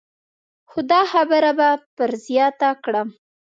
خو دا خبره به پر زیاته کړم.